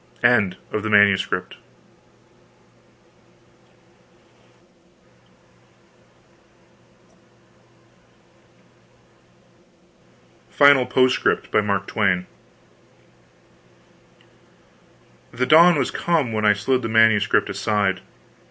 THE END OF THE MANUSCRIPT FINAL P.S. BY M.T. The dawn was come when I laid the Manuscript aside.